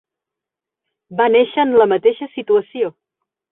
Va néixer en la mateixa situació.